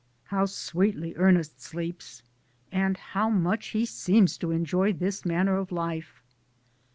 "How sweetly Ernest sleeps, and how much he seems to enjoy this manner of life."